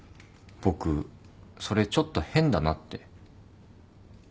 僕それちょっと変だなって。